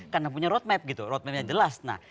karena punya road map gitu road mapnya jelas nah